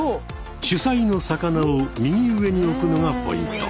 主菜の魚を右上に置くのがポイント。